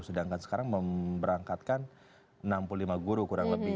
sedangkan sekarang memberangkatkan enam puluh lima guru kurang lebih